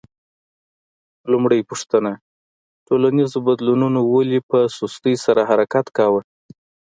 لومړۍ پوښتنه: ټولنیزو بدلونونو ولې په سستۍ سره حرکت کاوه؟